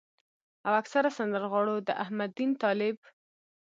او اکثره سندرغاړو د احمد دين طالب